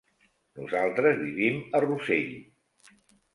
Nosaltres vivim a Rossell.